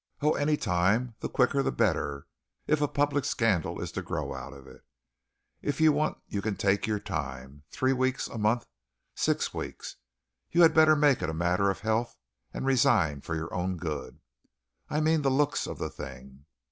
"Oh, any time, the quicker, the better, if a public scandal is to grow out of it. If you want you can take your time, three weeks, a month, six weeks. You had better make it a matter of health and resign for your own good. I mean the looks of the thing.